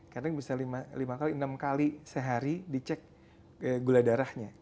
kadang bisa lima kali enam kali sehari dicek gula darahnya